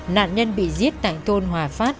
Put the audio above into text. nạn nhân bị giết tại thôn hòa phát